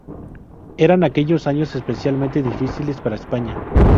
Eran aquellos años especialmente difíciles para España.